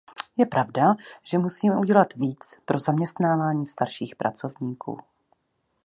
Je pravda, že musíme udělat víc pro zaměstnávání starších pracovníků.